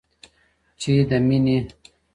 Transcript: چې د مینې،